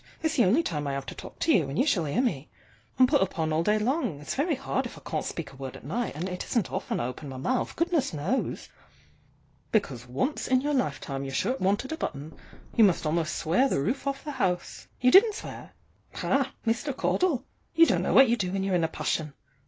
It's the only time I have to talk to you, and you shall hear me. I'm put upon all day long: it's very hard if I can't speak a word at night; and it isn't often I open my mouth, goodness knows! Because once in your lifetime your shirt wanted a button, you must almost swear the roof off the house. You didn't swear? Ha, Mr. Caudle! you don't know what you do when you're in a passion.